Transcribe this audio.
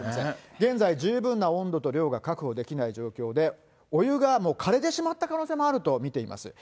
現在、十分な温度と量が確保できない状況で、お湯がもう枯れてしまった可能性もあると見ています。